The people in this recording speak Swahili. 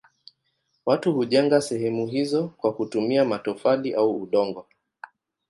Watu hujenga sehemu hizo kwa kutumia matofali au udongo.